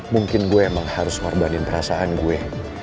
mungkin gue emang harus ngorbanin perasaan gue